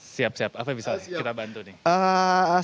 siap siap apa yang bisa kita bantu nih